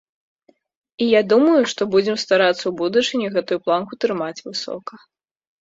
І я думаю, што будзем старацца ў будучыні гэтую планку трымаць высока.